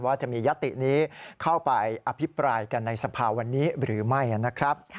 จะมียตินี้เข้าไปอภิปรายกันในสภาวันนี้หรือไม่นะครับ